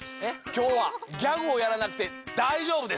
きょうはギャグをやらなくてだいじょうぶです。